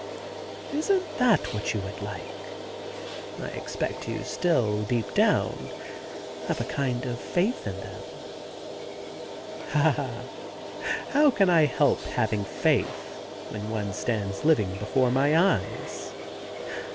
' Isn't that what you would like ? I expect you still, deep down, have a kind of faith in them.' ' Ah, how can I help having faith when one stands living before my eyes